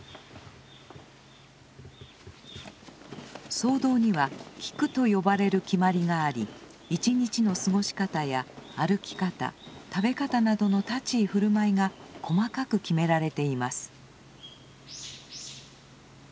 僧堂には「規矩」と呼ばれる決まりがあり一日の過ごし方や歩き方食べ方などの立ち居振る舞いが細かく決められています。